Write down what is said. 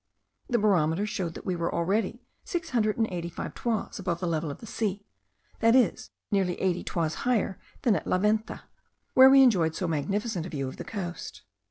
The barometer showed that we were already six hundred and eighty five toises above the level of the sea, that is, nearly eighty toises higher than at the Venta, where we enjoyed so magnificent a view of the coast.